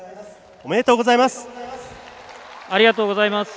おめでとうございます。